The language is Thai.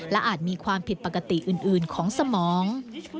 อาจมีความผิดปกติอื่นของสมอง